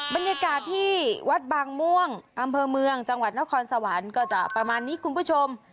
บรรยากาศที่วัดบางม่วงอำเภอเมืองจังหวัดนครสวรรค์ก็จะประมาณนี้คุณผู้ชม